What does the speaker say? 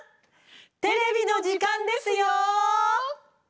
テレビの時間ですよ！